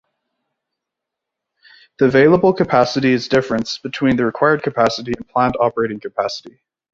The available capacity is difference between the required capacity and planned operating capacity.